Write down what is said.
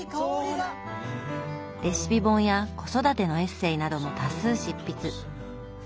レシピ本や子育てのエッセーなども多数執筆。